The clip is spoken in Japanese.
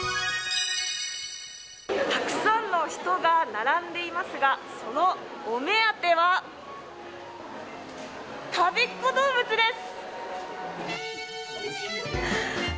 たくさんの人が並んでいますがそのお目当てはたべっ子どうぶつです。